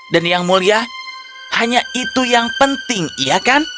dan yang mulia hanya itu yang penting iya kan